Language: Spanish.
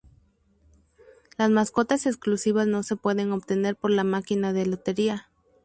Las mascotas exclusivas no se pueden obtener por la máquina de lotería.